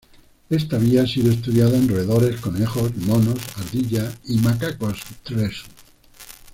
Esta vía ha sido estudiada en roedores, conejos, monos ardilla y macacos rhesus.